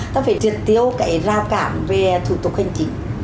ta phải thiệt tiêu cái rào cản về thủ tục hình chính